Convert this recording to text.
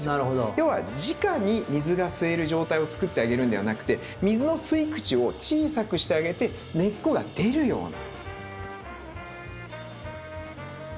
要はじかに水が吸える状態を作ってあげるんではなくて水の吸い口を小さくしてあげて根っこが出るような。